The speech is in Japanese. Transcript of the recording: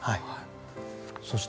そして、